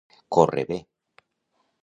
Córrer bé.